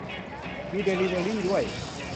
มีเดลิเวอรี่ด้วย